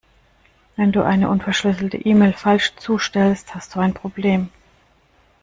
Wenn du eine unverschlüsselte E-Mail falsch zustellst, hast du ein Problem.